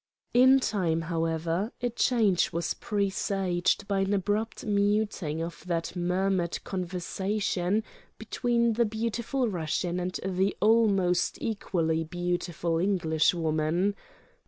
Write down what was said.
In time, however, a change was presaged by an abrupt muting of that murmured conversation between the beautiful Russian and the almost equally beautiful Englishwoman.